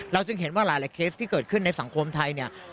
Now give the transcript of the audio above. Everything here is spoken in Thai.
จึงเห็นว่าหลายเคสที่เกิดขึ้นในสังคมไทยเนี่ย